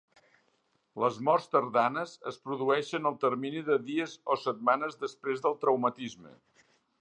Les morts tardanes es produeixen al termini de dies o setmanes després del traumatisme.